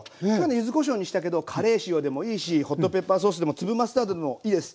柚子こしょうにしたけどカレー塩でもいいしホットペッパーソースでも粒マスタードでもいいです。